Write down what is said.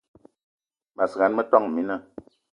Mas gan, metόn mina